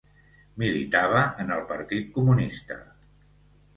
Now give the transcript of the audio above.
Militava en el Partit Comunista.